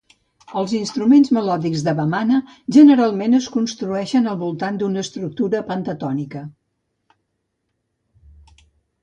Els instruments melòdics de Bamana generalment es construeixen al voltant d'una estructura pentatònica.